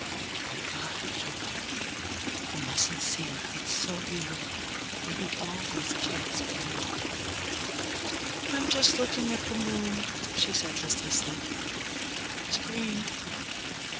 Dear God, she thought, he mustn't see it. It's so beautiful, and he always kills beauty. "I'm just looking at the Moon," she said listlessly. "It's green."